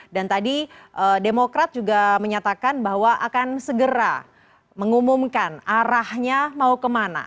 dan tadi demokrat juga menyatakan bahwa akan segera mengumumkan arahnya mau kemana